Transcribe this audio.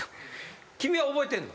君は覚えてんの？